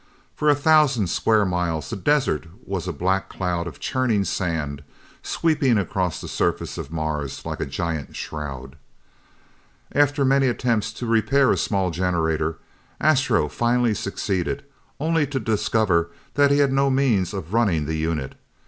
For a thousand square miles the desert was a black cloud of churning sand, sweeping across the surface of Mars like a giant shroud. After many attempts to repair a small generator, Astro finally succeeded, only to discover that he had no means of running the unit.